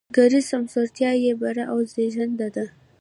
کرنیزه سمسورتیا یې بره او زېږنده ده.